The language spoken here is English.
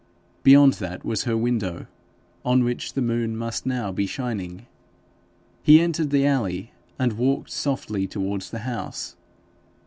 Beyond that was her window, on which the moon must now be shining. He entered the alley, and walked softly towards the house.